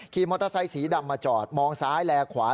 มอเตอร์ไซสีดำมาจอดมองซ้ายแลขวา